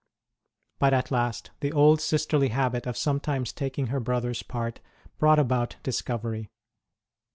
But at last the old sisterly habit of sometimes taking her brothers part 138 ST. ROSE OF LIMA brought about discovery.